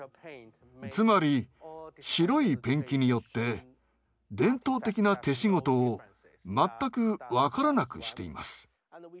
つまり白いペンキによって伝統的な手仕事を全く分からなくしています。